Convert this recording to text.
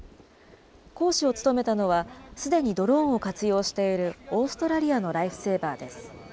講師を務めたのは、すでにドローンを活用しているオーストラリアのライフセーバーです。